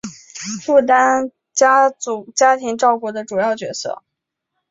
负担家庭照顾的主要角色